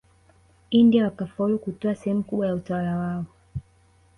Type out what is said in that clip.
India wakafaulu kutwaa sehemu kubwa ya utawala wao